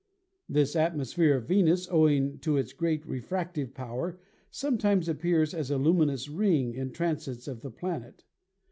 This atmosphere of Venus, owing to its great refractive power, sometimes appears as a luminous ring in transits of the planet.